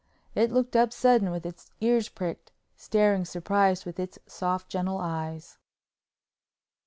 It looked up sudden with its ears pricked, staring surprised with its soft gentle eyes.